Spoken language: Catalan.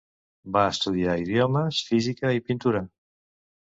Va estudiar idiomes, física i pintura.